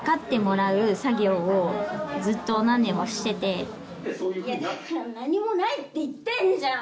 例えば「いやだから何もないって言ってんじゃん」